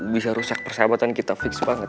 bisa rusak persahabatan kita fix banget